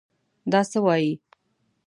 دا څه وايې!